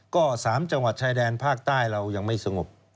ก็๓จังหวัดชายแดนภาคใต้เรายังไม่สงบ